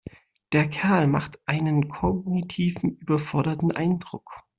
Der Kerl macht einen kognitiv überforderten Eindruck.